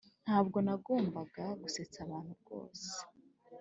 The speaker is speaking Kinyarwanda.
ntabwo nagombaga gusetsa abantu rwose.